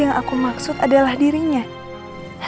yang mau ke man soloku adalah tenaga mengejarnya